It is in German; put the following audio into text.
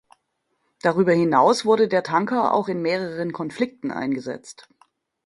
Darüber hinaus wurde der Tanker auch in mehreren Konflikten eingesetzt.